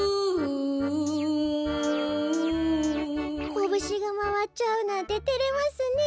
コブシがまわっちゃうなんててれますねえ。